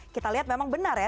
kita lihat memang benar ya